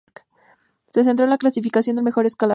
Se centró en la clasificación del mejor escalador.